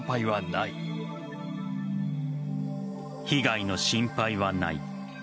被害の心配はない。